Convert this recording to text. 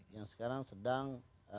yang sekarang sedang